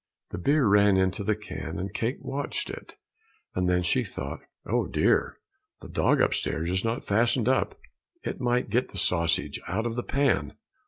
The beer ran into the can and Kate watched it, and then she thought, "Oh, dear! The dog upstairs is not fastened up, it might get the sausage out of the pan.